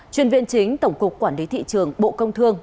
chuyên viên chính tổng cục quản lý thị trường bộ công thương